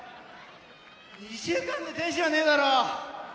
２週間で天心はねえだろ！